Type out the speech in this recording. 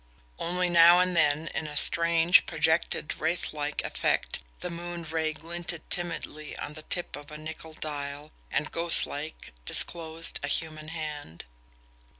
Only now and then, in a strange, projected, wraithlike effect, the moon ray glinted timidly on the tip of a nickel dial, and, ghostlike, disclosed a human hand.